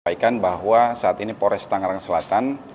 saya ingin menyampaikan bahwa saat ini polres tangerang selatan